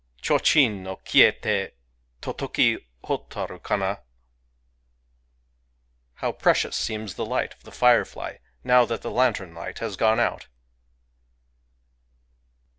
Chochin no Kiyete, totoki Hotaru kana ! How precious seems [the light of] the firefly, now that the lantern light has gone out